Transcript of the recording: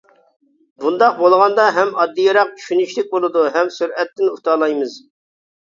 بۇنداق بولغاندا ھەم ئاددىيراق، چۈشىنىشلىك بولىدۇ، ھەم سۈرئەتتىن ئۇتالايمىز.